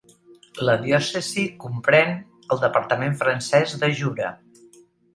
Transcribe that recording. La diòcesi comprèn el departament francès de Jura.